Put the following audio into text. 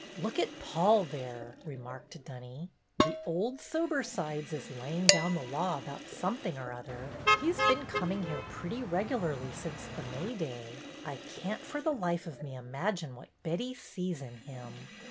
"Look at Paul, there," remarked Dunny. "The old sobersides is laying down the law 204 BETTY BAIRD'S GOLDEN YEAR about something or other. He 's been coming here pretty regularly since the May day. I can't for the life of me imagine what Betty sees in him."